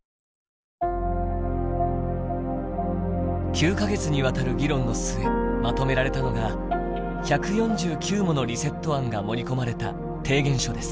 ９か月にわたる議論の末まとめられたのが１４９ものリセット案が盛り込まれた提言書です。